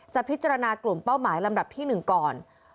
พิจารณากลุ่มเป้าหมายลำดับที่๑ก่อน